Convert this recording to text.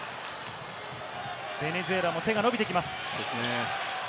ベネズエラも手が伸びてきます。